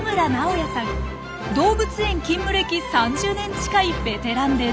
動物園勤務歴３０年近いベテランです。